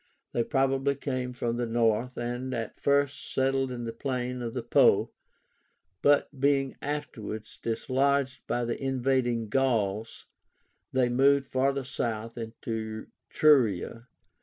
They probably came from the north, and at first settled in the plain of the Po; but being afterwards dislodged by the invading Gauls, they moved farther south, into Etruria.